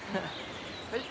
はい」